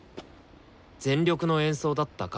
「全力の演奏だったか？」